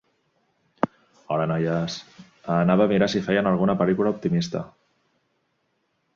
Hola noies, anava a mirar si feien alguna pel·lícula optimista.